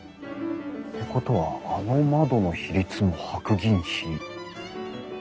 ってことはあの窓の比率も白銀比。